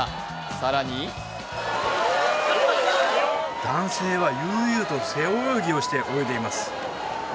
更に男性はゆうゆうと背泳ぎをして泳いでいます